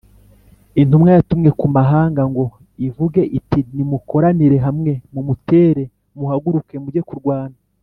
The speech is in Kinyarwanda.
intumwa yatumwe ku mahanga ngo ivuge iti “nimukoranire hamwe mumutere muhaguruke mujye kurwana”